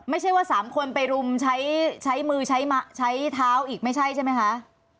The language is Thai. ไม่ใช่ว่า๓คนไปรุมใช้มือใช้เท้าอีกไม่ใช่ใช่ไหมคะ